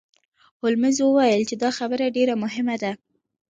هولمز وویل چې دا خبره ډیره مهمه ده.